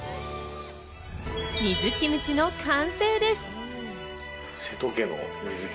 水キムチの完成です。